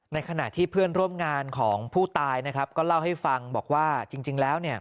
ในขณะที่เพื่อนร่วมงานของผู้ตายนะครับก็เล่าให้ฟังบอกว่าจริงแล้วเนี่ย